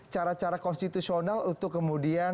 cara cara konstitusional untuk memperbaiki kekuatan